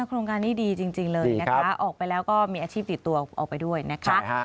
โครงการนี้ดีจริงเลยนะคะออกไปแล้วก็มีอาชีพติดตัวออกไปด้วยนะคะ